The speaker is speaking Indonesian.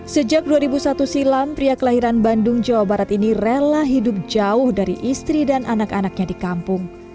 sejak dua ribu satu silam pria kelahiran bandung jawa barat ini rela hidup jauh dari istri dan anak anaknya di kampung